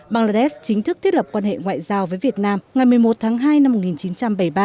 bangladesh chính thức thiết lập quan hệ ngoại giao với việt nam ngày một mươi một tháng hai năm một nghìn chín trăm bảy mươi ba